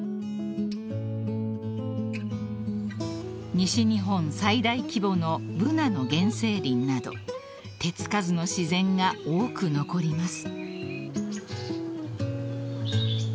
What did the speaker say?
［西日本最大規模のブナの原生林など手付かずの自然が多く残ります］